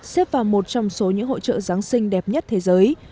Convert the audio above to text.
xếp vào một trong số những hội trợ giáng sinh đẹp nhất thế giới